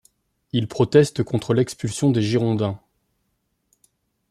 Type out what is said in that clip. Il proteste contre l'expulsion des girondins.